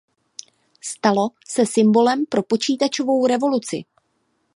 Stalo se symbolem pro počítačovou revoluci.